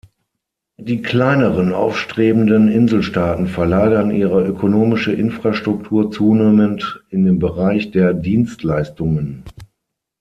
Die kleineren aufstrebenden Inselstaaten verlagern ihre ökonomische Infrastruktur zunehmend in den Bereich der Dienstleistungen.